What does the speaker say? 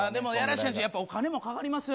やっぱりお金もかかりますよ